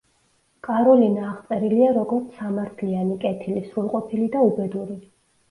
კაროლინა აღწერილია როგორც: „სამართლიანი, კეთილი, სრულყოფილი და უბედური“.